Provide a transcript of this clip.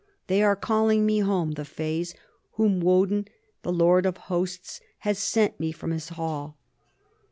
They are calling me home, the Fays whom Woden the Lord of Hosts has sent me from his hall.